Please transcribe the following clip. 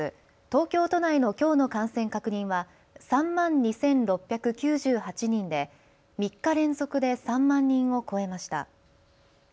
東京都内のきょうの感染確認は３万２６９８人で３日連続で３万人を超えました。